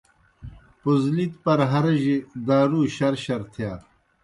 پوزلِتیْ پرہرِجیْ دارُو شرشر تِھیا۔